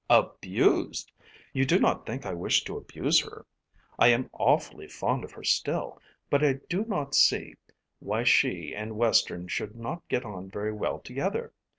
"Abused! You do not think I wish to abuse her. I am awfully fond of her still. But I do not see why she and Western should not get on very well together.